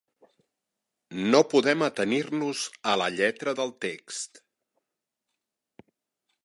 No podem atenir-nos a la lletra del text.